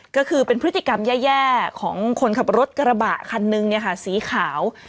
ก็คือเป็นพฤติกรรมแย่ของคนขับรถกระบะคันนึงสีขาว